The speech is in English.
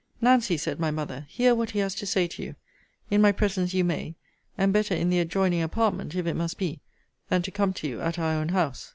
Nancy, said my mother, hear what he has to say to you. In my presence you may: and better in the adjoining apartment, if it must be, than to come to you at our own house.